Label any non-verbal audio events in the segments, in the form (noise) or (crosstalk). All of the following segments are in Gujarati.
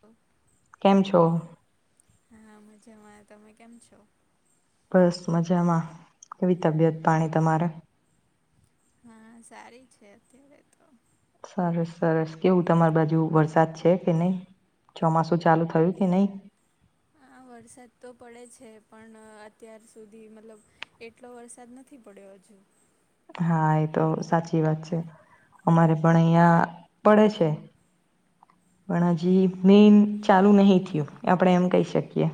તો કેમ છો? હા મજામાં તમે કેમ છો? બસ મજામાં કેવી તબિયત પાણી તમારે? હા સારી છે અત્યારે તો સરસ સરસ કેવું તમારી બાજુ વરસાદ છે કે નહીં ચોમાસું ચાલુ થયું કે નહીિ આ વરસાદ તો પડે છે પણ અત્યાર સુધી મતલબ એટલો વરસાદ નથી પડ્યો હજુ હા એ તો સાચી વાત છે અમારે પણ અહીંયા પડે છે પણ હજી મેન ચાલુ નહીિ થયું આપણેે એમ કહી શકીએ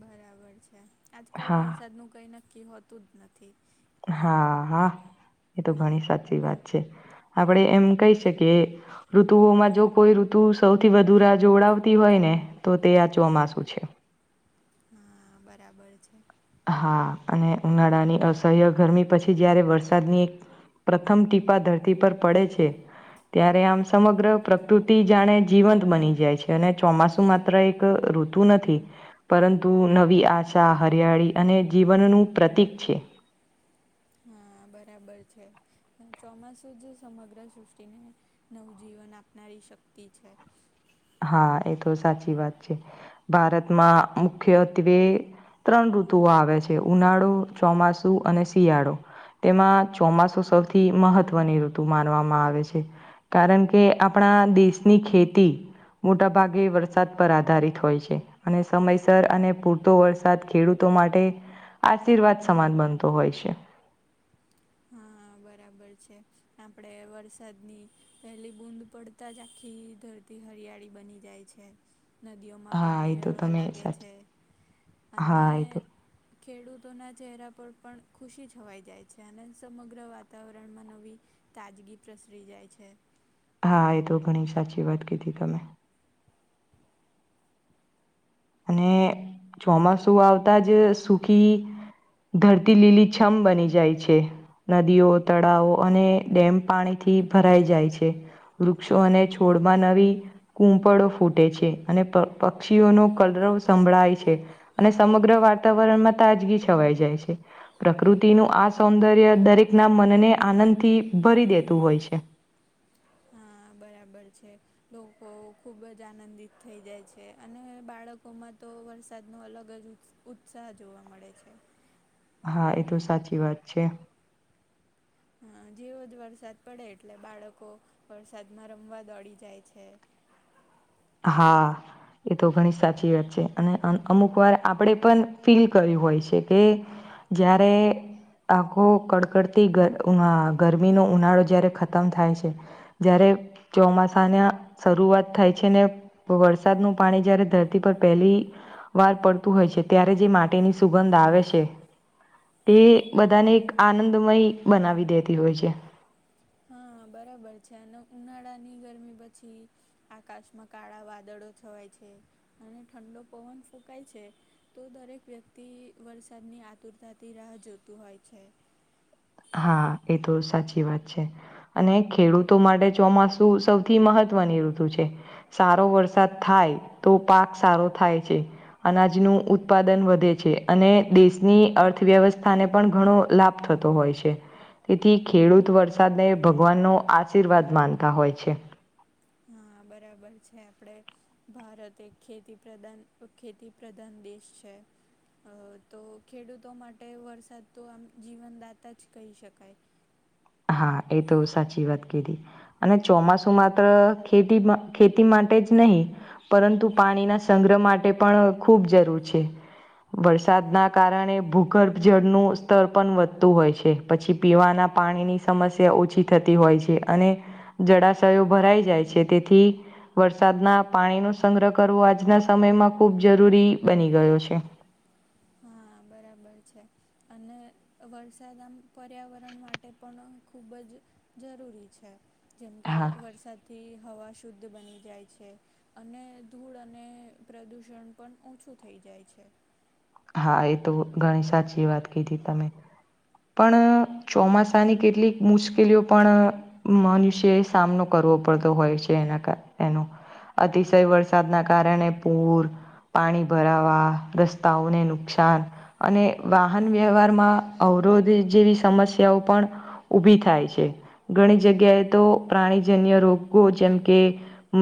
બરાબર છે આજકાલ હા વરસાદનું કંઈ નક્કી હોતું જ નથી હા હા એ તો ઘણી સાચી વાત છે આપડે એમ કહી શકીએ ઋતુઓમાં જો કોઈ ઋતુ સૌથી વધુ રાહ જોડાવતી હોય ને તો તે આ ચોમાસું છે હા બરાબર છે હા અને ઉનાળાની અસહ્ય ગરમી પછી જ્યારે વરસાદની એક પ્રથમ ટીપા ધરતી પર પડે છે ત્યારે આમ સમગ્ર પ્રકૃતિ જાણે જીવંત બની જાય છે અને ચોમાસુમાં એક ઋતુ નથી પરંતુ નવી આશા હરિયાળી અને જીવનનું પ્રતિક છે હા બરાબર છે ચોમાસું જ સમગ્ર સૃષ્ટિને નવજીવન આપનારી શક્તિ છે હા એ તો સાચી વાત છે ભારતમાં મુખ્યત્વે ત્રણ ઋતુઓ આવે છે ઉનાળો ચોમાસુ અને શિયાળો તેમાં ચોમાસું સૌથી મહત્વની ઋતુ માનવામાં આવે છે કારણ કે આપણા દેશની ખેતી મોટા ભાગે વરસાદ પર આધારિત હોય છે અને સમયસર અને પૂરતો વરસાદ ખેડૂતો માટે આશીર્વાદ સમાન બનતો હોય છે હા હા બરાબર છે આપણે વરસાદની પહેલી બૂદ પડતા જ આખી ધરતી હરિયાળી બની જાય છે નદીઓમાં હા પાણી એ તો વહેવા તમે લાગે સાચી છે અને હા એ તો ખેડૂતોના ચહેરા પર પણ ખુશી છવાઈ જાય છે અને સમગ્ર વાતાવરણમાં નવી તાજગી પ્રસરી જાય છે હા એ તો ઘણી સાચી વાત કીધી તમે અને ચોમાસું આવતા જ સુખી ધરતી લીલી છમ બની જાય છે નદીઓ તળાવો અને ડેમ પાણીથી ભરાઈ જાય છે વૃક્ષો અને છોડમાં નવી કૂપળો ફૂટે છે અને પ પક્ષીઓનો કલ સંભળાય છે અને સમગ્ર વાતાવરણમાં તાજગી છવાઈ જાય છે પ્રકૃતિનું આ સૌંદર્ય દરેકના મનને આનંદથી ભરી દેતું હોય છે હા બરાબર છે લોકો ખૂબ જ આનંદિત થઈ જાય છે અને બાળકોમાં તો વરસાદનો અલગ જ ઉત્સ ઉત્સાહ જોવા મળે છે હા એ તો સાચી વાત છે જેવો જ વરસાદ પડે એટલે બાળકો વરસાદમાં રમવા દોડી જાય છે હા એ તો ઘણી સાચી વાત છે અને અમુક વાર આપણે પણ ફીલ કર્યું હોય છે કે જ્યારે આખો કડકડતી અ ગરમીનો ઉનાળો જ્યારે ખતમ થાય છે જય્યારે ચોમાસાને શરૂઆત થાય છે ને વરસાદનું પાણી જયારે ધરતી પર પહેલી વાર પડતું હોય છે ત્યારે જે માટેની સુગંધ આવે છે એ બધાને એક આનંદમય બનાવી દેતી હોય છે હા બરાબર છે અને ઉનાળાની ગરમી પછી આકાશમાં કાળા વાદળો છવાય છે અને ઠંડો પવન ફૂંકાય છે તો દરેક વ્યક્તિ વરસાદની આતુરતાથી રાહ જોતું હોય છે હા એ તો સાચી વાત છે અને ખેડૂતો માટે ચોમાસું સૌથી મહત્વની ઋતુ છે સારો વરસાદ થાય તો પાક સારો થાય છે અનાજનું ઉત્પાદન વધે છે અને દેશની અર્થવ્યવસ્થાને પણ ઘણો લાભ થતો હોય છે તેથી ખેડૂત વરસાદને ભગવાન ન આશીર્વાદ માનતા હોય છે હા બરાબર છે આપડે ભારત એક ખેતી પ્રધાન ખેતી પ્રધાન દેશ છે તો ખેડૂતો માટે વરસાદ તો આમ જીવનદાતા જ કહી શકાય હા એ તો સાચી વાત કીધી અને ચોમાસું માત્ર ખેતી ખેતી માટે જ નહી પરંતુ પાણીના સંગ્રહ માટે પણ ખૂબ જરૂર છે વરસાદના કારણે ભૂગર્ભ જળનું સ્તર પણ વધતું હોય છે પછી પીવાના પાણીની સમસ્યા ઓછી થતી હોય છે અને જળાશયો ભરાઈ જાય છે તેથી વરસાદના પાણીનો સંગ્રહ કરવો આજના સમયમાં ખૂબ જરૂરી બની ગયો છે. હા બરાબર છે અને વરસાદ આમ પર્યાવરણ માટે પણ ખૂબ જ જરૂરી છેે, જેમકે હા વરસાદથી હવા શુદ્ધ બની જાય છે. અને ધૂળ અને પ્રદુષણ પણ ઓછું થઈ જાય છે. હા એ તો ઘણી સાચી વાત કીધી તમે પણ ચોમાસાની કેટલીક મુશ્કેલીઓ પણ મનુષ્ય એ સામનો કરવો પડતો હોય છે એનાકા એનો અતિશય વરસાદના કારણે પૂર પાણી ભરાવા રસ્ તાઓને નુકસાન અને વાહન વ્યવહારમાં અવરોધ જેવી સમસ્યાઓ પણ ઊભી થાય છે. ઘણી જગ્યાએ તો પ્રાણીજન્ય રોગો જેમ કે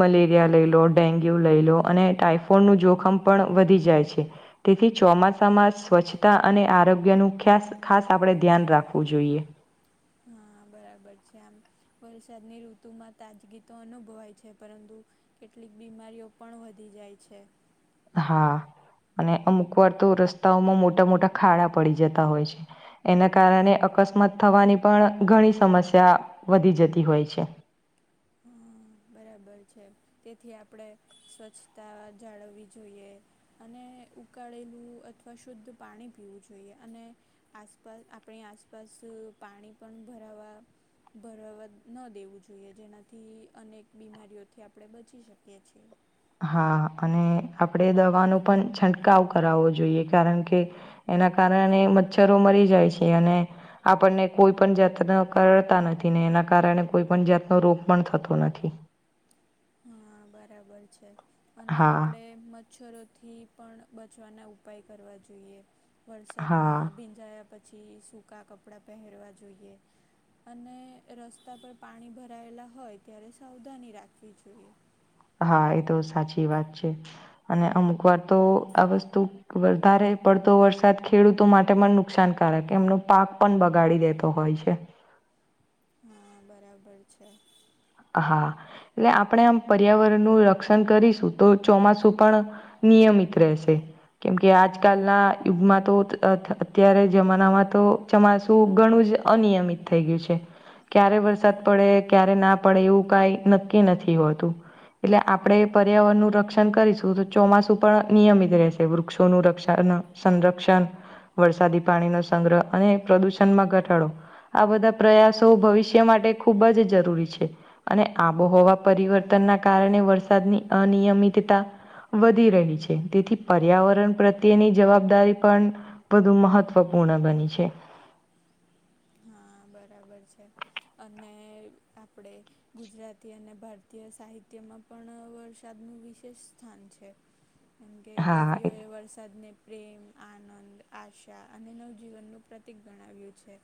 મલેરિયા લઈ લો, ડેન્ગ્યુ લઈ લો, અને ટાઈફોઇડનું જોખમ પણ વધી જાય છે. તેથી ચોમાસામાં સ્વચ્છતા અને આરોગ્યનું ખ્યાસ ખાસ આપણે ધ્યાન રાખવું જોઈએ હા બરાબર છે આમ વરસાદની ઋતુમાં તાજગીતો અનુભવાય છે. પરંતુ કેટલીક બીમારીઓ પણ વધી જાય છે હા, અને અમુક વાર તો રસ્તાઓમાં મોટા મોટા ખાડા પડી જતા હોય છે. એના કારણે અકસ્માત થવાની પણ ઘણી સમસ્યા વધી જતી હોય છે. હમ બરાબર છે તેથી આપણે સ્વચ્છતા જાળવવી જોઈએ અને ઉકાળેલું અથવા શુદ્ધ પાણી પીવું જોઈએ અને આસપાસ આપણી આસપાસ પાણી પણ ભરાવા ભરાવા ન દેવું જોઈએ જેનાથી અનેક બીમારીઓથી આપણે બચી શકીએ છીએ હા અને આપણેે દવાનો પણ છંટકાવ કરાવવો જોઈએ કારણ કે એના કારણે મચ્છરો મરી જાય છે અને. આપણને કોઈ પણ જાતનાં કરતા નથી ને એના કારણે કોઈ પણ જાતનો રોગ પણ થતો નથી. હા બરાબર છે. અને હા આપણે મચ્છરોથી પણ બચવાના ઉપાય કરવા જોઈએ. વરસાદમાં હા ભીંજાયા પછી પછી સૂકા કપડાં પહેરવા જોઈએ અને રસ્તા પર પાણી ભરાયેલા હોય ત્યારે સાવધાની રાખવી જોએ (inaudible) હા એ તો સાચી વાત છે. અને અમુક વાર તો આ વસ્તુ વધારે પડતો વરસાદ ખેડૂતો માટે પણ નુકશાનકારક એમનો પાક પણ બગાડી દેતો. તો હોય છે. હા બરાબર છે. હા એટલે આપણે આમ પર્યાવરણનું રક્ષણ કરીશું તો ચોમાસું પણ. નિયમિત રહેશે. કેમ કે આજકાલના યુગમાં તો અત્યારે જમાનામાં તો. ચોમાસું ઘણું જ અનિયમિત થઈ ગયું છે. ક્યારે વરસાદ પડે ક્યારે ના. પણ એવું કાઈ નક્કી નથી હોતું. એટલે આપણે પર્યાવરણનું રક્ષણ કરીશું તો ચોમાસું પણ નિયમિત રહેશે વૃક્ષોનું રક્ષણ. સંરક્ષણ, વરસાદી પાણીનો સંગ્રહ, અને પ્રદુષણમાં ઘટાડો. આ બધા પ્રયાસો ભવિષ્ય માટે ખૂબ જ જરૂરી છે. અને આબોહવા પરિવર્તનના કારણે વરસાદની અનિયમિતતા. વધી રહી છે. તેથી, પર્યાવરણ પ્રત્યેની જવાબદારી પણ. વધુ મહત્વપૂર્ણ બની છે. હા બરાબર છે અને આપણે. ગુજરાતી અને ભારતીય સાહિત્યમાં પણ વરસાદનું વિશેષ સ્થાન છે. અંગે હા એ કવિયોએ વર્ષાદ નેપ. પ્રેમ આનંદ આશા અને નવજીવનનું પ્રતિક ગણાવ્યું છે.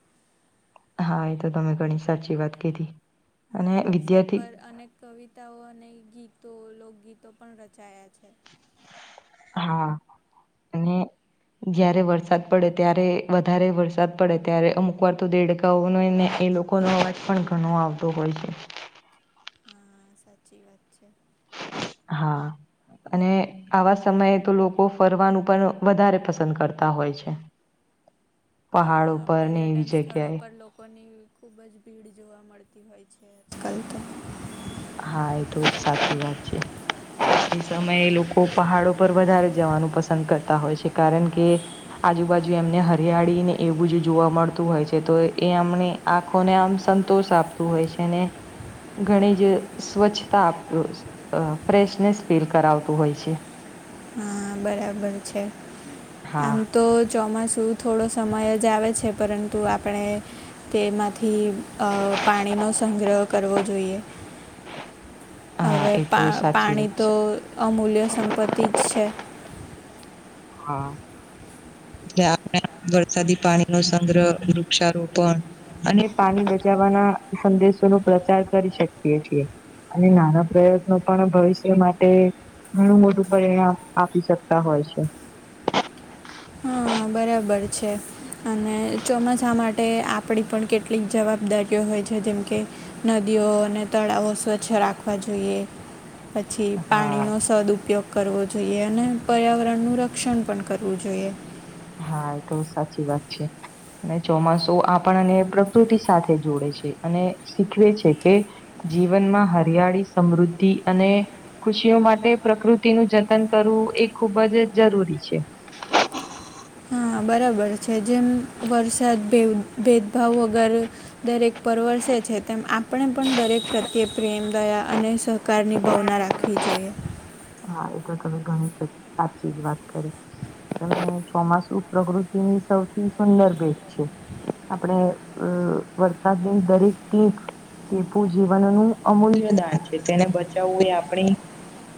હા એ તો તમે ઘણી સાચી વાત કીધી હા અને વરસાદ વિદ્યાર્થી. પર અનેક કવિતાઓ અને ગીતો લોકગીતો પણ રચાયા છે. હા અને. જય્યારે વરસાદ પડે ત્યારે વધારે વરસાદ પડે ત્યારે અમુક વાર તો દેડકાઓ ન ને એ લોકો. લોકો નો અવાજ પણ ઘણો આવતો હોય છે. હા સાચી વાત છે. હા અને. આવા સમયે તો લોકો ફરવાનું પણ વધારે પસંદ કરતા હોય છે. પહાડ હા ઉપર ને પર્યટન એવી સ્થળો જગ્યાએ. પર લોકોની. ખૂબ જ ભીડ જોવા મળતી હોય છે આજકાલ તો. હા એ તો સાચી વાત છે. સમયે લોકો પહાડો પર વધારે જવાનું પસંદ કરતા હોય છે. કારણ કે આજુબાજુ એમને હરિયાળી ને એ બુંજ જોવા મળતું હોય છે. તો એમને આંખોને આમ સંતોષ આપતું હોય છે ઘણી જ. સ્વચ્છતા ફ્રેશનેસ ફીલ કરાવતું હોય છે. હા બરાબર છે આમ હા તો. ચોમાસું થોડો સમય જ આવે છે પરંતુ આપણે તેમાંથી. પાણીનો સંગ્રહ કરવો જોઈએ. હ. હવે પા પાણી વાત તો છે અમૂલ્ય સંપત્તિ જ છે. હા. જે આપણા વરસાદી પાણી નો સંગ્રહ વૃક્ષારોપણ અને પાણી બચાવવાના સંદેશો ન પ્રચાર કરી શકીએ છીએ અને નાના પ્રયત્નો પણ ભવિષ્ય માટે ઘણું મોટું પરિણામ આપી શકતા હોય છે હા બરાબર છે અને ચોમાસા માટે આપણી પણ કેટલું. કેટલીક જવાબદારીઓ હોય છે જેમ કે નદીઓ અને તળાવો સ્વચ્છ રાખવા જોઈએ. પછી હા પાણીનો સદ ઉપ. ઉપયોગ કરવો જોઈએ અને પર્યાવરણનું રક્ષણ પણ કરવું જોઈએ. હા એ તો સાચી વાત છે. અને ચોમાસું આપણને પ્રકૃતિ સાથે જોડે છે અને શીખવે છે કે. જીવનમાં હરિયાળી સમૃદ્ધિ અને ખુશીઓ માટે પ્રકૃતિનુંું જતન કરવું એ ખુબ જ જરૂરી છે હા બરાબર છે જેમ વરસાદ ભેદભાવ વગર દરેક પરવસે છે તેમ આપણે પણ દરેક પ્રત્યે પ્રેમદયા અને સહકારની ભાવના રાખવી ખી જઈએ હા એ તો તમે ઘણી સાચી જ વાત કરી ત ચોમાસું પ્રકૃતિ ની સૌથી સુંદર બેટ છે આપણેે અ વરસાદની દરેક ટીક ટીપુ જીવનનુંું અમૂલ્યદાન છે તેને બચાવવું એ આપણી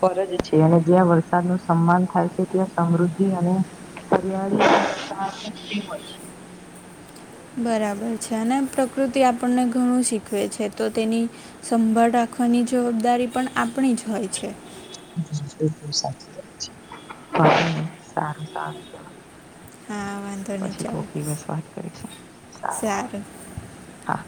ફરજ છે અને જ્યાં વરસાદ નું સન્માન થાય છે ત્યાં સમૃદ્ધિ અને ફરિયાળી હોય બરાબર છે અને પ્રકૃતિ આપણને ઘણું શીખવે છે તો તેની સંભાળ રાખવાની જવાબદારી પણ આપણી જ હોય છે હ એ બ સાચી વાત છે સારું સારું હા વાંધો નહી પછી ચાલ કોક દિવસ વાત કરીશું. આવજો સારું હા.